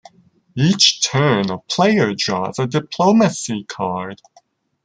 Each turn a player draws a diplomacy card.